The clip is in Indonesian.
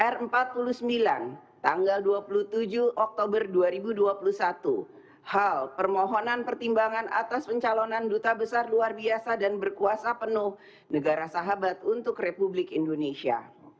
r empat puluh sembilan tanggal dua puluh tujuh oktober dua ribu dua puluh satu hal permohonan pertimbangan atas pencalonan duta besar luar biasa dan berkuasa penuh negara sahabat untuk republik indonesia